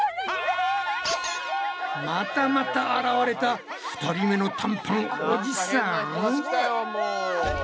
またまた現れた２人目の短パンおじさん！？